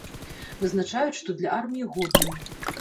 Вызначаюць, што для арміі годны.